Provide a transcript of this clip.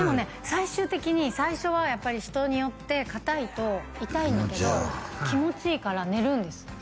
最終的に最初はやっぱり人によってかたいと痛いんだけど気持ちいいから寝るんですよ